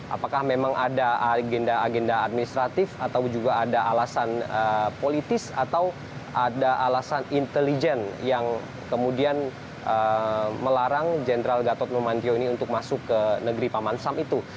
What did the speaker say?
apakah memang ada agenda agenda administratif atau juga ada alasan politis atau ada alasan intelijen yang kemudian melarang jenderal gatot numantyo ini untuk masuk ke negeri paman sam itu